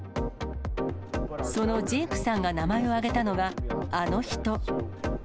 そのジェイクさんが名前を挙げたのが、あの人。